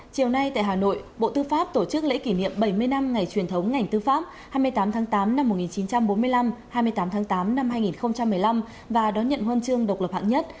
chiều nay tại hà nội bộ tư pháp tổ chức lễ kỷ niệm bảy mươi năm ngày truyền thống ngành tư pháp hai mươi tám tháng tám năm một nghìn chín trăm bốn mươi năm hai mươi tám tháng tám năm hai nghìn một mươi năm và đón nhận huân chương độc lập hạng nhất